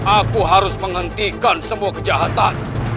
aku harus menghentikan semua kejahatan